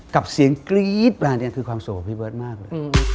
กับเสียงกรี๊ดมาเนี่ยคือความสุขของพี่เบิร์ตมากเลย